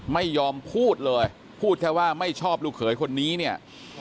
ไม่ยอมพูดเลยพูดแค่ว่าไม่ชอบลูกเขยคนนี้เนี่ย